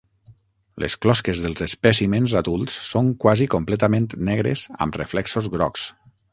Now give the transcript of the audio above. Les closques dels espècimens adults són quasi completament negres amb reflexos grocs.